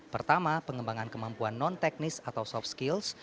pertama pengembangan kemampuan non teknis atau soft skills